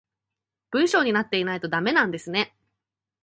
文章になってないとダメなんですね